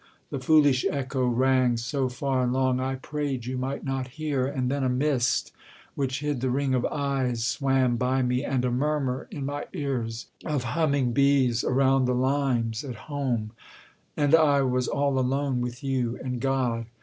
The foolish echo rang So far and long I prayed you might not hear. And then a mist, which hid the ring of eyes, Swam by me, and a murmur in my ears Of humming bees around the limes at home; And I was all alone with you and God.